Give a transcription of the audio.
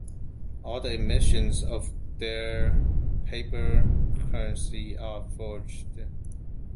All the emissions of their paper-currency are forged.